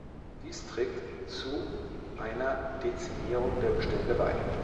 Dies trägt zu einer Dezimierung der Bestände bei.